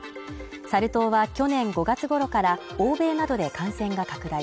サル痘は去年５月ごろから欧米などで感染が拡大。